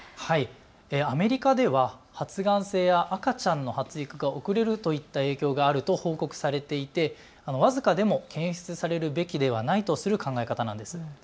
アメリカでは発がん性や赤ちゃんの発育が遅れるといった影響があると報告されていて僅かでも検出されるべきではないとする考え方なんです。